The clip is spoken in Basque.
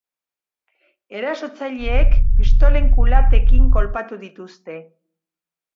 Erasotzaileek pistolen kulatekin kolpatu dituzte.